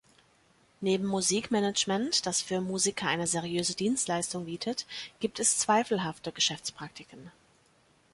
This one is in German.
Neben Musikmanagement, das für Musiker eine seriöse Dienstleistung bietet, gibt es zweifelhafte Geschäftspraktiken.